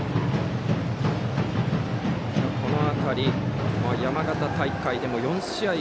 この辺り、山形大会でも４試合